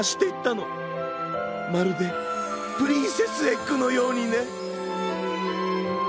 まるでプリンセスエッグのようにね。